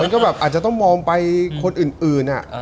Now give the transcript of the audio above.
ก็แบบอาจจะต้องมองไปคนอื่น